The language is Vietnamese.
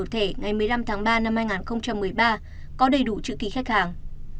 ngày một mươi năm tháng ba năm hai nghìn một mươi ba có đầy đủ chữ ký khách hàng